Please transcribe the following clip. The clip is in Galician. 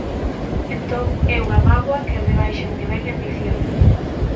Entón, é unha magoa que rebaixen o nivel de ambición.